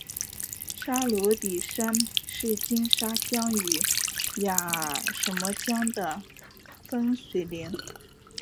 沙鲁里山是金沙江与雅砻江的分水岭。